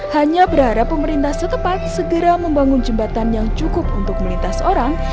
hanya berharap pemerintah setepat segera membangun jembatan yang cukup untuk melintas orang